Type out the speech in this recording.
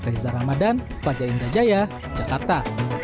reza ramadan pak jari ndra jaya jakarta